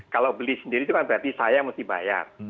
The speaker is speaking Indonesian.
kalau beli sendiri itu kan berarti saya mesti bayar